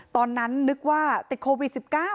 ตอนนั้นนึกว่าติดโควิด๑๙